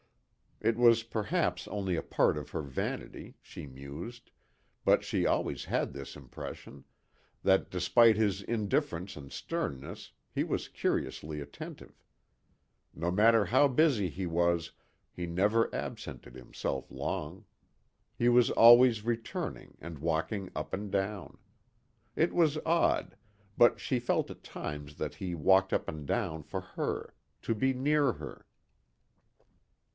It was perhaps only a part of her vanity, she mused, but she always had this impression that despite his indifference and sternness he was curiously attentive. No matter how busy he was he never absented himself long. He was always returning and walking up and down. It was odd, but she felt at times that he walked up and down for her, to be near her.